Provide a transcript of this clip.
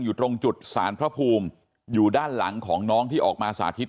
อยู่ตรงจุดสารพระภูมิอยู่ด้านหลังของน้องที่ออกมาสาธิต